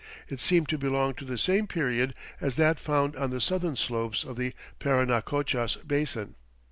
It seemed to belong to the same period as that found on the southern slopes of the Parinacochas Basin.